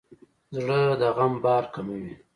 زړه د غم بار کموي.